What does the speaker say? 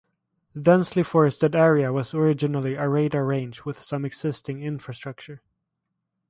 The densely forested area was originally a radar range with some existing infrastructure.